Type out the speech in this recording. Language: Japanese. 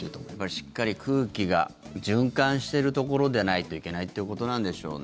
しっかり空気が循環してるところでないといけないということでしょうね。